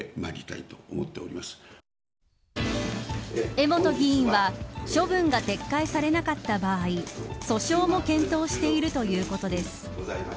江本議員は、処分が撤回されなかった場合訴訟も検討しているということです。